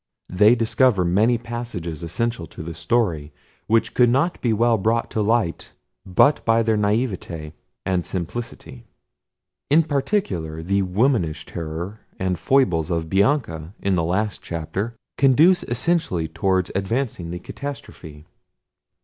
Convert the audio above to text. They discover many passages essential to the story, which could not be well brought to light but by their naïveté and simplicity. In particular, the womanish terror and foibles of Bianca, in the last chapter, conduce essentially towards advancing the catastrophe.